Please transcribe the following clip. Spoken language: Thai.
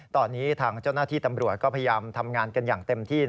ตอนนี้ทางเจ้าหน้าที่ตำรวจก็พยายามทำงานกันอย่างเต็มที่